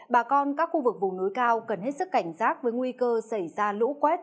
bà con các khu vực vùng núi cao cần hết sức cảnh giác với nguy cơ xảy ra lũ quét